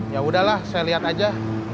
yaudah lah saya lihat aja